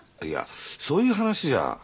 いやそういう話じゃ。